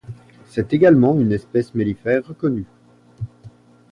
C'est également une espèce mellifère reconnue.